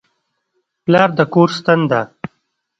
پلار د کور ستن ده.